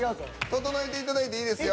整えていただいていいです。